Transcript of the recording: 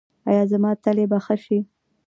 ایا زما تلي به ښه شي؟